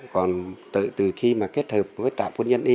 còn từ khi kết hợp với trạm quân dân y